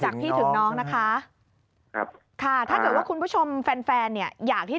จากพี่ถึงน้องนะคะถ้าเกิดว่าคุณผู้ชมแฟนเนี่ยอยากที่